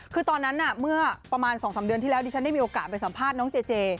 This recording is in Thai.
คือตอนนั้นเมื่อประมาณ๒๓เดือนที่แล้วดิฉันได้มีโอกาสไปสัมภาษณ์น้องเจเจ